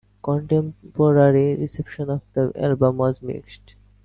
Contemporary reception of the album was mixed.